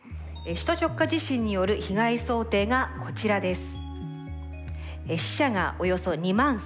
首都直下地震による被害想定がこちらです。